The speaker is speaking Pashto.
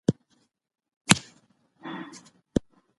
په دغه غونډې کي د پښتو ژبي عالمان ناست وو